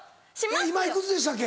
今いくつでしたっけ？